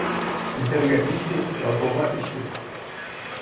Иҫәргә иш юҡ, ялҡауға эш юҡ.